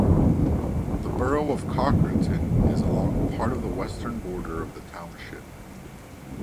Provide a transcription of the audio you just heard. The borough of Cochranton is along part of the western border of the township.